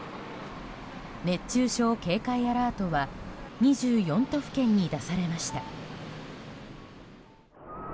熱中症警戒アラートは２４都府県に出されました。